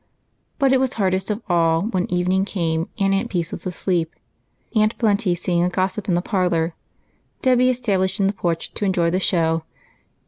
But it was hardest of all when evening came and Aunt Peace was aslee]:>, Aunt Plenty seeing a gossip in the parlor, Dolly established in the porch to enjoy the show, and noth 114 EIGHT COUSINS.